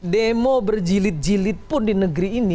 demo berjilid jilid pun di negeri ini